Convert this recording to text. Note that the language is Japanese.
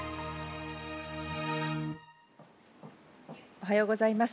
おはようございます。